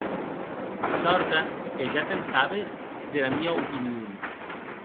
De sòrta que ja te’n sabes dera mia opinion.